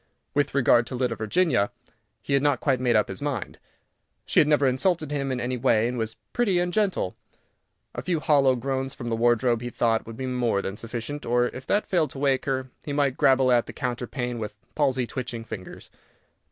With regard to little Virginia, he had not quite made up his mind. She had never insulted him in any way, and was pretty and gentle. A few hollow groans from the wardrobe, he thought, would be more than sufficient, or, if that failed to wake her, he might grabble at the counterpane with palsy twitching fingers.